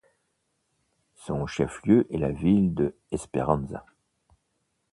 Son chef-lieu est la ville de Esperanza.